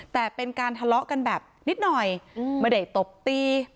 แต่เป็นการทะเลาะกันแบบนิดหน่อยไม่ได้ตบตี